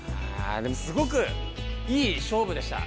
でもすごくいい勝負でした。